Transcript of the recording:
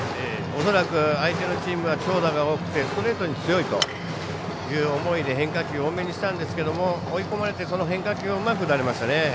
恐らく相手のチームが長打が多くてストレートに強いという思いで変化球を多めにしたんですけど追い込まれて、その変化球をうまく打たれましたね。